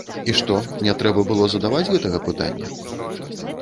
І што, не трэба было задаваць гэтага пытання?